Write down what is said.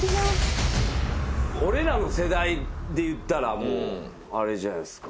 俺らの世代でいったらもうあれじゃないっすか？